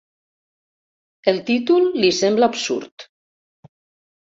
El títol li sembla absurd.